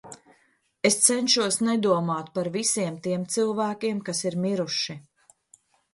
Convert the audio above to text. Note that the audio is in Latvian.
Es cenšos nedomāt par visiem tiem cilvēkiem, kas ir miruši.